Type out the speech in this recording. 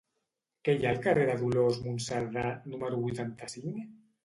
Què hi ha al carrer de Dolors Monserdà número vuitanta-cinc?